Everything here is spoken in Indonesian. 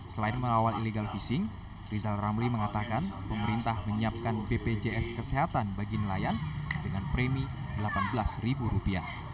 selain melawan illegal fishing rizal ramli mengatakan pemerintah menyiapkan bpjs kesehatan bagi nelayan dengan premi rp delapan belas